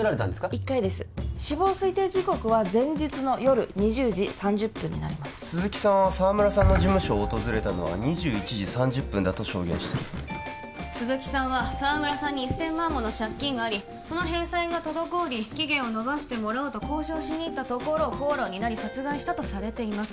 １回です死亡推定時刻は前日の夜２０時３０分になります鈴木さんは沢村さんの事務所を訪れたのは２１時３０分だと証言してる鈴木さんは沢村さんに１０００万もの借金がありその返済が滞り期限を延ばしてもらおうと交渉しに行ったところ口論になり殺害したとされています